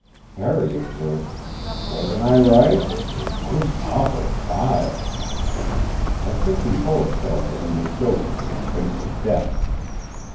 Harry observed: "Wasn't I right? 'Most awful vile!'" I think we both felt that we were joking in the face of death.